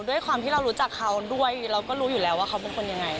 ด้วยความที่เรารู้จักเขาด้วยเราก็รู้อยู่แล้วว่าเขาเป็นคนยังไง